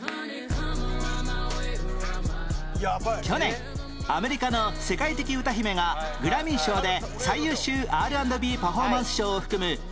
去年アメリカの世界的歌姫がグラミー賞で最優秀 Ｒ＆Ｂ パフォーマンス賞を含む